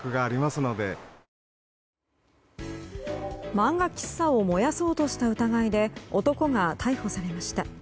漫画喫茶を燃やそうとした疑いで、男が逮捕されました。